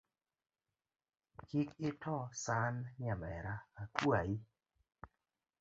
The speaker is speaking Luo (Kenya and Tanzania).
Kik ito san nyamera akuai.